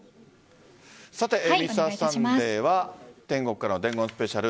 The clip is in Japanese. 「Ｍｒ．サンデー」は天国からの伝言スペシャル。